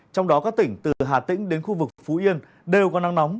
trong đó các tỉnh từ hà tĩnh đến khu vực phú yên đều có nắng nóng